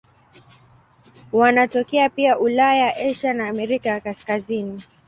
Wanatokea pia Ulaya, Asia na Amerika ya Kaskazini.